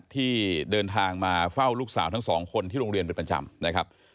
ที่เดินทางมาเฝ้าลูกสาวทั้งสองคนที่โรงเรียนเป็นประจำนะครับ